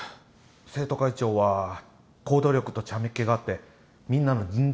生徒会長は行動力とちゃめっ気があってみんなの人気者でした。